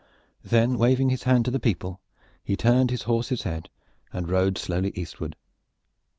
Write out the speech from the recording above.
Then, waving his hand to the people, he turned his horse's head and rode slowly eastward.